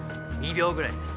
２秒ぐらいです。